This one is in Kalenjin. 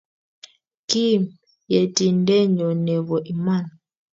Kim Yetindenyo ne po iman.